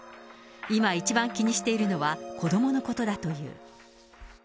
今一番気にしているのは、子どものことだという。